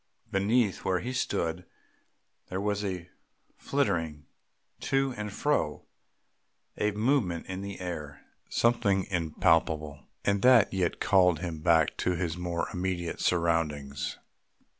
Beneath where he stood there was a flitting to and fro, a movement in the air, something impalpable and that yet called him back to his more immediate surroundings.